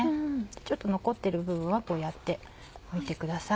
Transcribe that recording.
ちょっと残ってる部分はこうやってむいてください。